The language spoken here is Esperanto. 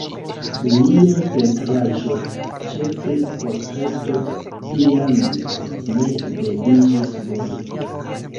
Liaj pentraĵoj, ĉefe portretoj, tiame ne vendiĝis bone.